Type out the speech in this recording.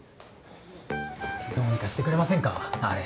どうにかしてくれませんかあれ。